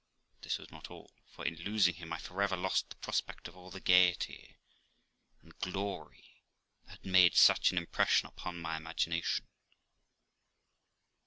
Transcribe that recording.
But this was not all, for in losing him I forever lost the prospect of all the gaiety and glory that had made such an impression upon my imagination.